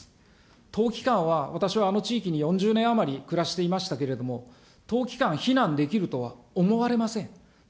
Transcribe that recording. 冬期間は、私はあの地域に４０年余り暮らしていましたけれども、冬期間避難できるとは思われません。